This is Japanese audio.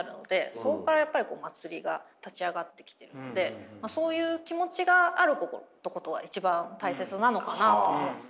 そこからやっぱり祭りが立ち上がってきているのでそういう気持ちがあることが一番大切なのかなと思うんですね。